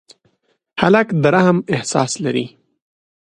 هلک د رحم احساس لري.